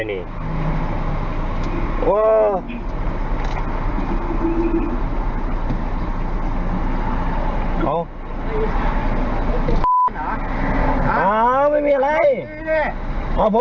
อันนี้อย่างความมั่นดินี่